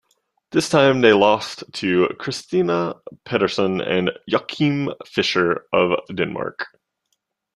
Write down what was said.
This time they lost to Christinna Pedersen and Joachim Fischer of Denmark.